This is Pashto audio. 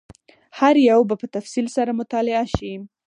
هر یو به په تفصیل سره مطالعه شي.